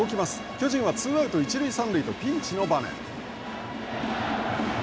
巨人はツーアウト、一塁三塁とピンチの場面。